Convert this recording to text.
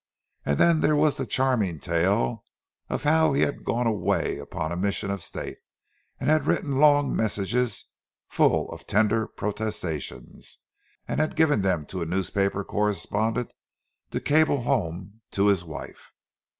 —And then there was the charming tale of how he had gone away upon a mission of state, and had written long messages full of tender protestations, and given them to a newspaper correspondent to cable home "to his wife."